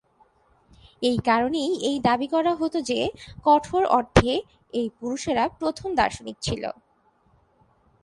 এই কারণেই এই দাবি করা হত যে, কঠোর অর্থে এই পুরুষরা প্রথম দার্শনিক ছিল।